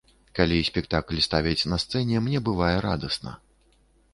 Калі спектакль ставяць на сцэне, мне бывае радасна.